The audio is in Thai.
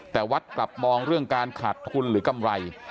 แต่วัดกลับมองเรื่องการขาดทุนหรือกำไร